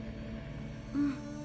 うん。